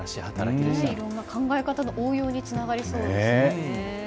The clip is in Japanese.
いろいろな考え方の応用につながりそうですよね。